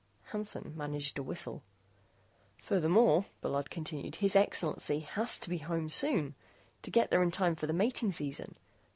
Hansen managed a whistle. "Furthermore," Bullard continued, "His Excellency has to be home soon to get there in time for the mating season.